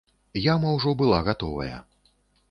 Яма ўжо была гатовая.